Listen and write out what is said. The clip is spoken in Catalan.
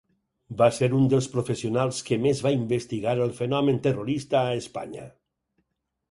Va ser un dels professionals que més va investigar el fenomen terrorista a Espanya.